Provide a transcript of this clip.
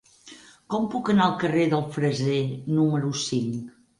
Com puc anar al carrer del Freser número cinc?